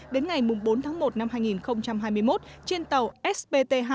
đến ngày bốn tháng một năm hai nghìn hai mươi một trên tàu spt hai